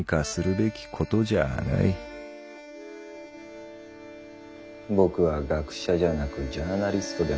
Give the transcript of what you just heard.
僕は学者じゃなくジャーナリストでもない。